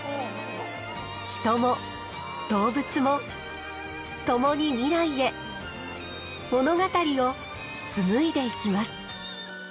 人も動物もともに未来へ物語を紡いでいきます。